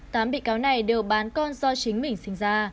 tám bị cáo này đều bán con do chính mình sinh ra